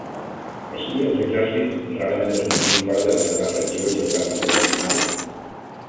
Així, els exèrcits rarament es movien fora de la seva regió geogràfica original.